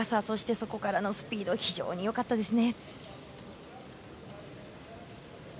そこからのスピード非常に良かったですね。